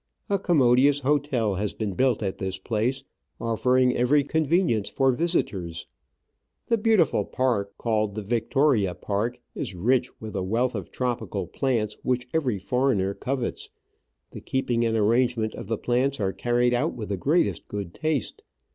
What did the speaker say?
A commodious hotel has been built at this place, offering every convenience for visitors. The beautiful park, called the Victoria Park, is rich with a wealth of tropical plants which every foreigner covets ; the keeping and arrangement of the plants are carried out with the greatest good taste.